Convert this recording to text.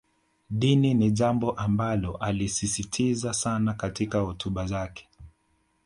Dini ni jambo ambalo alisisitiza sana katika hotuba zake